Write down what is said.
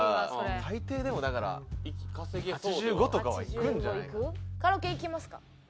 最低でもだから８５とかはいくんじゃないの？